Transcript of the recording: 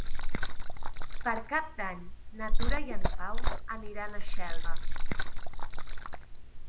Per Cap d'Any na Tura i en Pau aniran a Xelva.